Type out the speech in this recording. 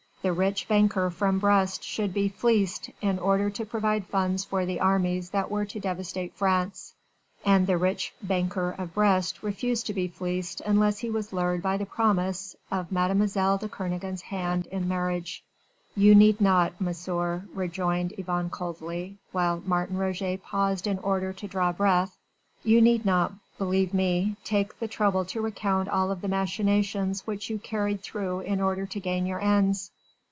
The rich banker from Brest should be fleeced in order to provide funds for the armies that were to devastate France and the rich banker of Brest refused to be fleeced unless he was lured by the promise of Mlle. de Kernogan's hand in marriage." "You need not, Monsieur," rejoined Yvonne coldly, while Martin Roget paused in order to draw breath, "you need not, believe me, take the trouble to recount all the machinations which you carried through in order to gain your ends.